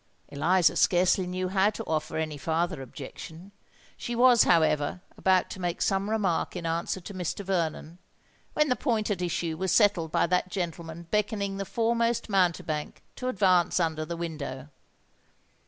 Eliza scarcely knew how to offer any farther objection: she was, however, about to make some remark in answer to Mr. Vernon, when the point at issue was settled by that gentleman beckoning the foremost mountebank to advance under the window.